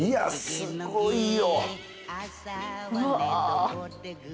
すごいよ！